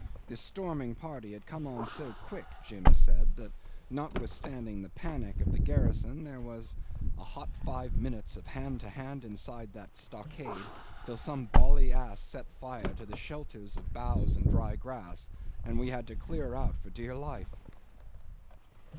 The storming party had come on so quick Jim said that notwithstanding the panic of the garrison, there was a "hot five minutes hand to hand inside that stockade, till some bally ass set fire to the shelters of boughs and dry grass, and we all had to clear out for dear life."